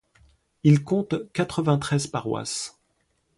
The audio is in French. Il compte quatre-vingt-treize paroisses.